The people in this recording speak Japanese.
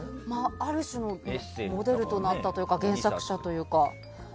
ある種のモデルとなったというか原作者というか。